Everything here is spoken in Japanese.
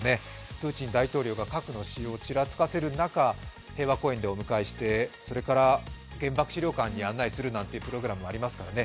プーチン大統領が核の使用をちらつかせる中、平和公園でお迎えして、それから原爆資料館に案内するなんてプログラムがありますからね。